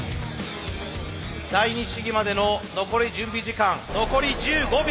第二試技までの残り準備時間残り１５秒。